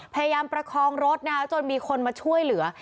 พยายามประคองรถนะคะจนมีคนมาช่วยเหลือ